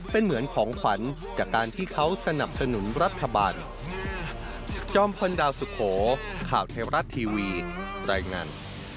เป็นเหมือนของขวัญจากการที่เขาสนับสนุนรัฐบาล